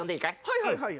はいはいはい。